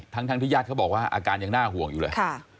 ทั้งที่ญาติเขาบอกว่าอาการยังน่าห่วงอยู่เลย